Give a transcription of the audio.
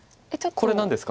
これ何ですか。